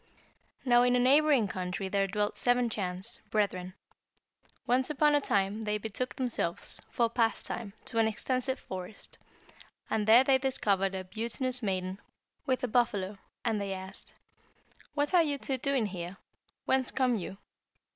"Now in a neighbouring country there dwelt seven Chans, brethren. Once upon a time they betook themselves, for pastime, to an extensive forest, and there they discovered a beauteous maiden with a buffalo, and they asked, 'What are you two doing here? Whence come you?'